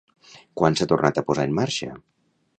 Quan s'ha tornat a posar en marxa?